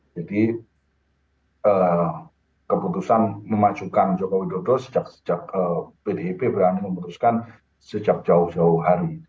jadi keputusan memajukan joko widodo sejak pdp berani memutuskan sejak jauh jauh hari